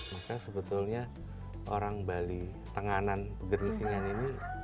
maka sebetulnya orang bali tenganan pegering singan ini